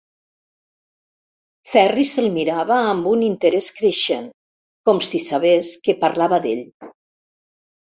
Ferri se'l mirava amb un interès creixent, com si sabés que parlava d'ell.